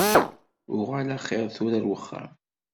Uɣal axiṛ tura ar wexxam.